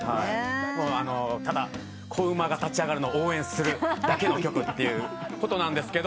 ただ子馬が立ち上がるのを応援するだけの曲ということなんですけど。